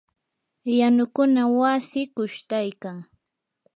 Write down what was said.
yanukuna wasi qushtaykan.